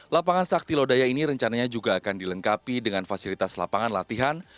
lapangan sakti lodaya ini rencananya juga akan dilengkapi dengan fasilitas lapangan latihan